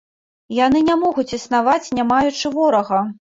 Яны не могуць існаваць, не маючы ворага!